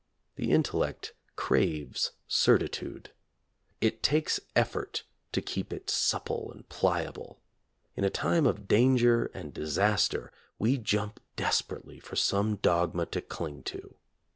The in tellect craves certitude. It takes effort to keep it supple and pliable. In a time of danger and disaster we jump desperately for some dogma to cling to.